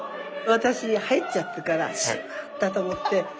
私入っちゃってから「しまった」と思って。